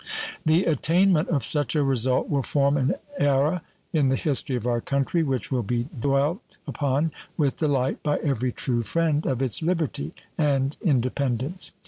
The attainment of such a result will form an era in the history of our country which will be dwelt upon with delight by every true friend of its liberty and independence.